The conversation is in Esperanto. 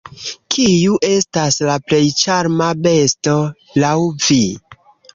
Kiu estas la plej ĉarma besto laŭ vi?